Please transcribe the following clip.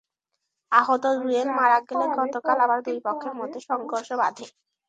আহত জুয়েল মারা গেলে গতকাল আবার দুই পক্ষের মধ্যে সংঘর্ষ বাধে।